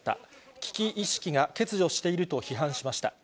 危機意識が欠如していると批判しました。